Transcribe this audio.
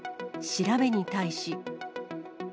調べに対し。